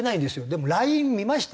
でもＬＩＮＥ見ました？